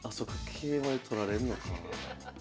桂馬で取られんのか。